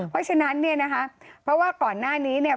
เพราะฉะนั้นเนี่ยนะคะเพราะว่าก่อนหน้านี้เนี่ย